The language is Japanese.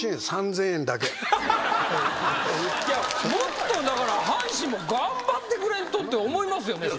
いやもっと阪神も頑張ってくれんとって思いますよね。